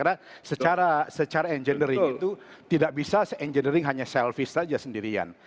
karena secara engineering itu tidak bisa se engineering hanya selfie saja sendirian